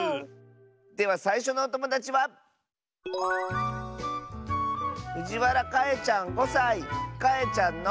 ではさいしょのおともだちはかえちゃんの。